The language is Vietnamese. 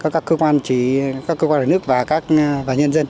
các cơ quan chỉ các cơ quan nhà nước và nhân dân